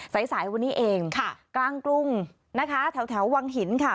สายสายวันนี้เองค่ะกลางกรุงนะคะแถววังหินค่ะ